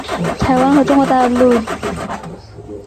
台湾和中国大陆就都各有一套中文空管的词汇和对话规则。